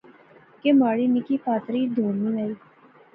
کہ مہاڑی نکی پہاتری دوڑنی آئی